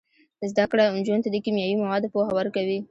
زده کړه نجونو ته د کیمیاوي موادو پوهه ورکوي.